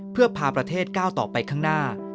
เพื่อพาประเทศก้าวต่อไปข้างหน้า